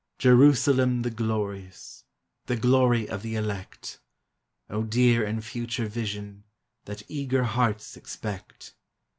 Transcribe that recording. Jerusalem the glorious! The glory of the Elect ! O dear and future vision That eager hearts expect